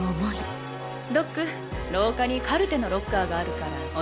ドック廊下にカルテのロッカーがあるから置いてきて。